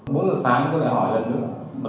bốn giờ sáng tôi lại hỏi lần nữa